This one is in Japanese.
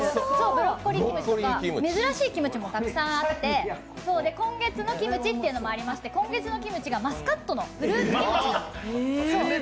ブロッコリーキムチとか、珍しいキムチもたくさんあって今月のキムチというのもありまして、今月のキムチはマスカットのフルーツキムチ。